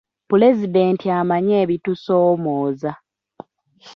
Pulezidenti amanyi ebitusoomooza.